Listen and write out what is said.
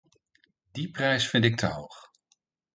Die prijs vind ik te hoog.